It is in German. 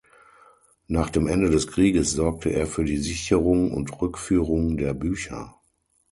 Nach dem Ende des Krieges sorgte er für die Sicherung und Rückführung der Bücher.